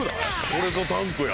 これぞダンクや。